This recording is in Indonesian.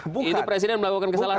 itu presiden melakukan kesalahan